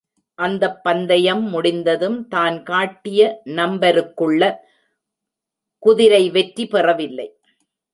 அந்தப் பந்தயம் முடிந்ததும் தான் கட்டிய நம்பருக்குள்ள குதிரை வெற்றி பெறவில்லை.